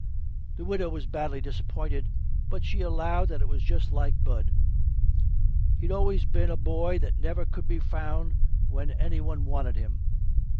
The Widow was badly disappointed, but she allowed that that was just like Bud. He'd always been a boy that never could be found when any one wanted him.